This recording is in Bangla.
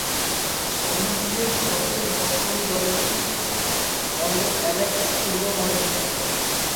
অন্যদিকে সতের বছর বয়সী অ্যালেক্স পূর্বে মডেল ছিল।